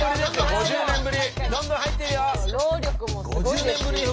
どんどん入ってるよ。